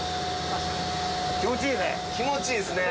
気持ちいいね。